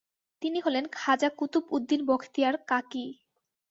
তিনি হলেন খাজা কুতুবউদ্দীন বখতিয়ার কাকী।